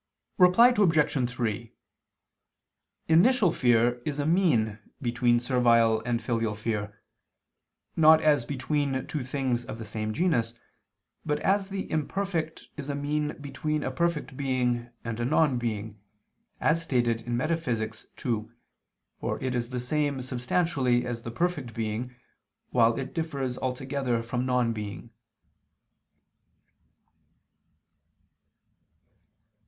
Reply Obj. 3: Initial fear is a mean between servile and filial fear, not as between two things of the same genus, but as the imperfect is a mean between a perfect being and a non being, as stated in Metaph. ii, for it is the same substantially as the perfect being, while it differs altogether from non being.